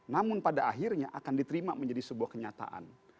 namun pada akhirnya akan diterima menjadi sebuah kenyataan